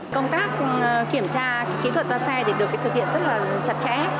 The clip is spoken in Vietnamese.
công tác kiểm tra kỹ thuật toa xe thì được thực hiện rất là chặt chẽ